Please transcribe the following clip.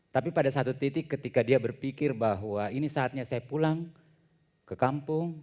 tapi pada satu titik ketika dia berpikir bahwa ini saatnya saya pulang ke kampung